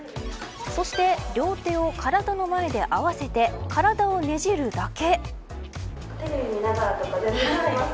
そして、両手を体の前で合わせて体をねじるだけ。